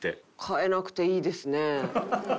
変えなくていいですね。